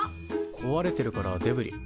こわれてるからデブリ。